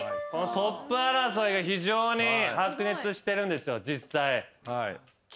トップ争いが非常に白熱してるんですよ実際。